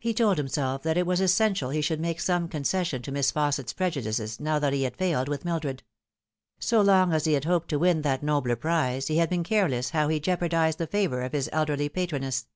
He told himself that it was essential he should make some concession to Miss Fausset's prejudices now that he had failed with Mildred. So long as he had hoped to win that nobler prize he had been careless how he jeopardised the favour of hia elderly patroness.